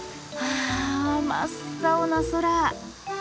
あ真っ青な空！